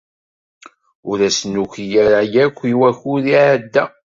Ur as-nuki ara akk i wakud iɛedda.